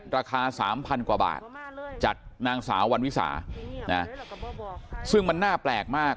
ราคา๓๐๐กว่าบาทจากนางสาววันวิสาซึ่งมันน่าแปลกมาก